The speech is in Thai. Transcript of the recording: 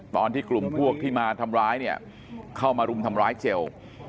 ตอนที่กลุ่มพวกที่มาทำร้ายเนี่ยเข้ามารุมทำร้ายเจล